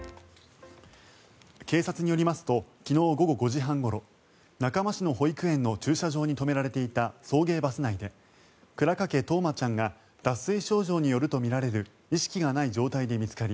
警察によりますと昨日午後５時半ごろ中間市の保育園の駐車場に止められていた送迎バス内で倉掛冬生ちゃんが脱水症状によるとみられる意識がない状態で見つかり